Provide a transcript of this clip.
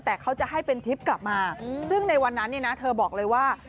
แต่เขาจะให้เป็นทริปกลับมาซึ่งในวันนั้นเนี่ยนะเธอบอกเลยว่า